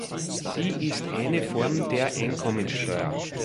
Sie ist eine Form der Einkommenssteuer.